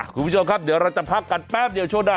คุณผู้ชมครับเดี๋ยวเราจะพักกันแป๊บเดียวช่วงหน้า